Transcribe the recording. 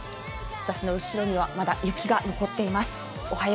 私の後ろには、まだ雪が残っています。